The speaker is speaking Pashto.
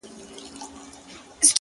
• سلطانان یې دي په لومو کي نیولي,